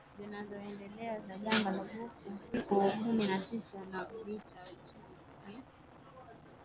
zinazoendelea za janga la uviko kumi na tisa na vita nchini Ukraine